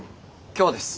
今日です。